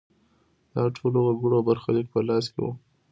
د ټولو وګړو برخلیک په لاس کې و.